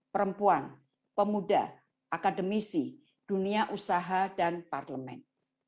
perempuan pemuda akademisi dunia usaha dan parlemen